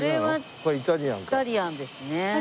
これはイタリアンですね。